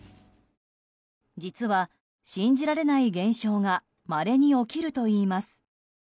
実は、信じられない現象がまれに起きるといいます。